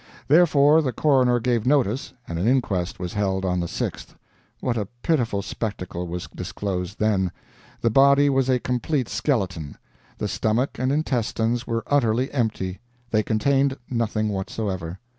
Therefore the coroner gave notice, and an inquest was held on the 6th. What a pitiful spectacle was disclosed then! The body was a complete skeleton. The stomach and intestines were utterly empty; they contained nothing whatsoever.